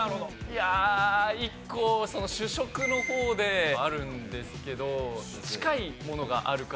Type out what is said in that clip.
いや１個主食の方であるんですけど近いものがあるから。